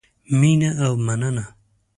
مینه او مننه